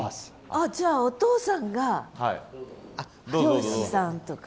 あっじゃあお父さんが漁師さんとか？